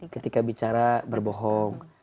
ketika bicara berbohong